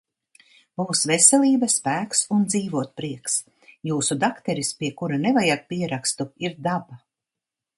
Būs veselība, spēks un dzīvotprieks. Jūsu dakteris, pie kura nevajag pierakstu, ir Daba.